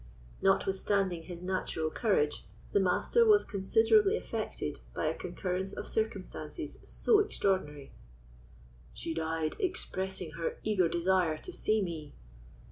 Notwithstanding his natural courage, the Master was considerably affected by a concurrence of circumstances so extraordinary. "She died expressing her eager desire to see me.